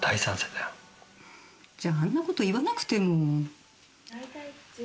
じゃあんなこと言わなくても。